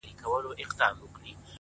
• ستا په يادونو كي راتېره كړله؛